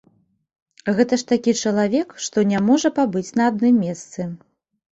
Гэта ж такі чалавек, што не можа пабыць на адным месцы.